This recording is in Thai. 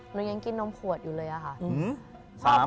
หนูยังกินนมขวดอยู่เลยอะค่ะ